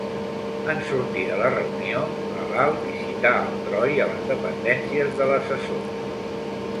En sortir de la reunió, la Lal visita el Troi a les dependències de l'assessor.